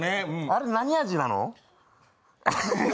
あれ、何味なの？